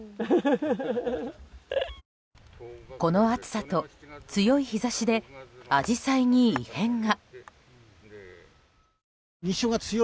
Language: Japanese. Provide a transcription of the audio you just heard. この暑さと強い日差しでアジサイに異変が。